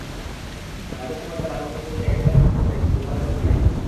মাঝের সময়টাতে বাংলাদেশের ছবিতে একাধিক কাজের প্রস্তাব পেয়েছি, কিন্তু ভালো প্রজেক্ট পাইনি।